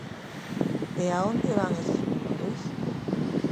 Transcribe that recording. E a onde van eses menores?